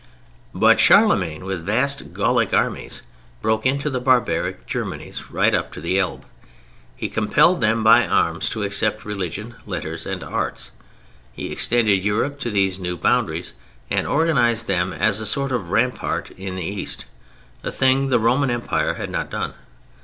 But Charlemagne, with vast Gallic armies, broke into the barbaric Germanies right up to the Elbe. He compelled them by arms to accept religion, letters and arts. He extended Europe to these new boundaries and organized them as a sort of rampart in the East: a thing the Roman Empire had not done.